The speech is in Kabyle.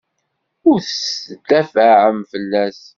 La tettdafaɛem fell-as?